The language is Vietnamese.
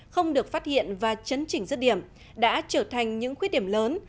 không được phát hiện và chấn chỉnh rứt điểm đã trở thành những khuyết điểm lớn